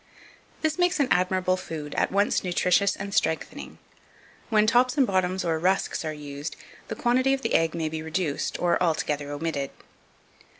2506. This makes an admirable food, at once nutritious and strengthening. When tops and bottoms or rusks are used, the quantity of the egg may be reduced, or altogether omitted.